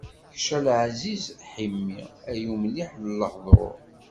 Kečč a Lɛaziz Ḥimi! Ay umliḥ n lehḍur.